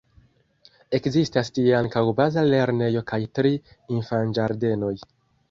Ekzistas tie ankaŭ baza lernejo kaj tri infanĝardenoj.